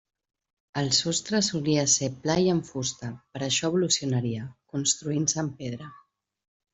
El sostre solia ser pla i en fusta, però això evolucionaria, construint-se en pedra.